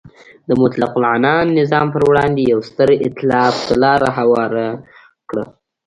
د مطلقه العنان نظام پر وړاندې یو ستر ایتلاف ته لار هواره کړه.